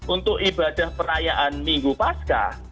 untuk ibadah perayaan minggu pasca